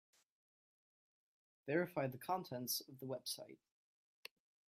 Verify the contents of the website.